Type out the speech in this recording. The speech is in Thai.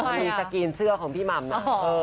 มีสกรีนเสื้อของพี่หม่ำน่ะ